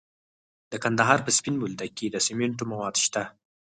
د کندهار په سپین بولدک کې د سمنټو مواد شته.